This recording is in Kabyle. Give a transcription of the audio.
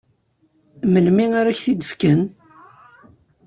Melmi ara ak-t-id-fken?